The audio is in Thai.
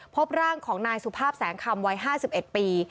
พบร่างของนายสุภาพแสงคำวัย๕๑ปี